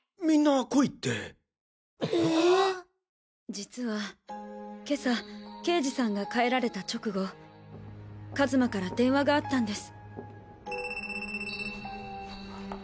実は今朝刑事さんが帰られた直後一馬から電話があったんです。